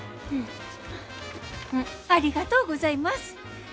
ありがとうございます。